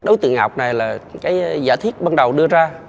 đối tượng ngọc này là cái giả thiết ban đầu đưa ra